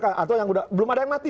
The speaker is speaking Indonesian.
atau yang belum ada yang mati